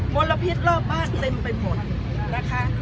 ลพิษรอบบ้านเต็มไปหมดนะคะ